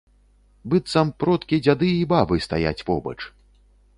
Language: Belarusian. Быццам продкі-дзяды і бабы стаяць побач.